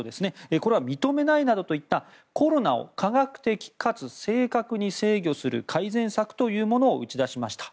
これは認めないなどといったコロナを科学的かつ正確に制御する改善策というものを打ち出しました。